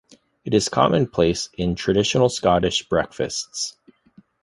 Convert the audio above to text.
It is commonplace in traditional Scottish breakfasts.